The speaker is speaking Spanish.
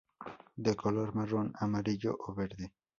De color marrón, amarillo o verde.